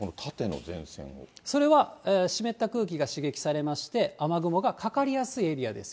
それは、湿った空気が刺激されまして、雨雲がかかりやすいエリアです。